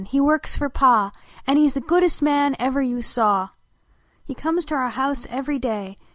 lie works fer Pa An he s the goodest man ever you saw ! He comes to our house every day.